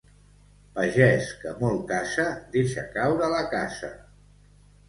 Pagès que molt caça, deixa caure la casa.